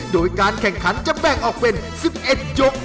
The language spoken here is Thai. โดยการแข่งขันจะแบ่งออกเป็น๑๑ยก